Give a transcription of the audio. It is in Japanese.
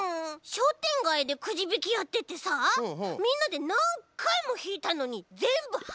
しょうてんがいでくじびきやっててさみんなでなんかいもひいたのにぜんぶはずれだったんだよ。